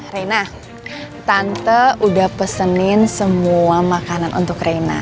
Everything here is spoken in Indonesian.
reina tante udah pesenin semua makanan untuk reina